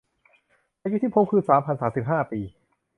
อายุที่พบคือ สามพันสามสิบห้า ปี